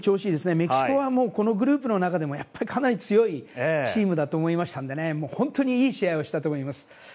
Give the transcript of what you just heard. メキシコはグループの中でもかなり強いチームだと思いましたので本当にいい試合をしたと思います。